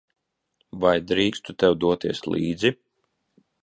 Vai drīkstu tev doties līdzi?